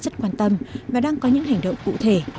rất quan tâm và đang có những hành động cụ thể